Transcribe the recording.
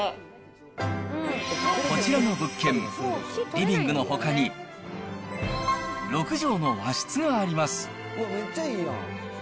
こちらの物件、リビングのほかに６畳の和室があります。